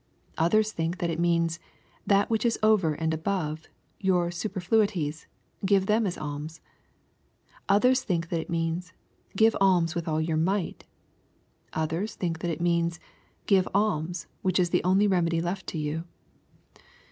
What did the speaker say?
"— Others think that it means, " That which is over and above, — ^your superfluities, — give them as alms." — Others think that it means, " Give alms with all your might." — Others think that it means, "Give alms, which is the only remedy left to you."